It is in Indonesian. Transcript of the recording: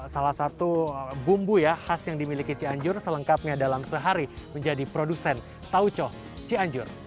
salah satu bumbu ya khas yang dimiliki cianjur selengkapnya dalam sehari menjadi produsen tauco cianjur